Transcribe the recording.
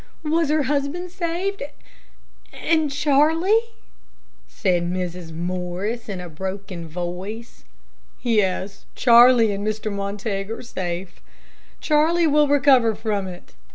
Was her husband saved, and Charlie?" said Mrs. Morris, in a broken voice. "Yes; Charlie and Mr. Montague are safe. Charlie will recover from it.